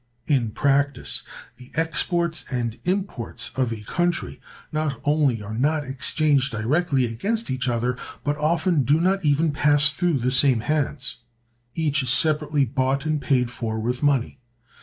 In practice, the exports and imports of a country not only are not exchanged directly against each other, but often do not even pass through the same hands. Each is separately bought and paid for with money.